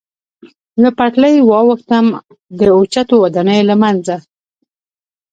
له پټلۍ واوښتم، د اوچتو ودانیو له منځه.